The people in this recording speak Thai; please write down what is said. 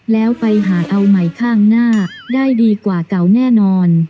แล้วไปหาเอาใหม่ข้างหน้าได้ดีกว่าเก่าแน่นอน